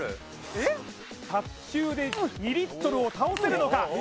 卓球で２リットルを倒せるのか？